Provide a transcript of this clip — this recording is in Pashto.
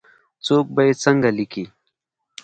څوک به یې څنګه لیکې ؟